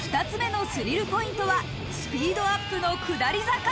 ２つ目のスリルポイントはスピードアップの下り坂。